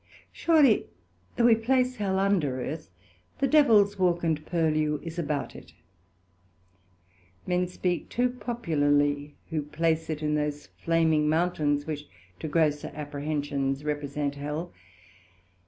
Surely though we place Hell under Earth, the Devil's walk and purlue is about it: men speak too popularly who place it in those flaming mountains, which to grosser apprehensions represent Hell.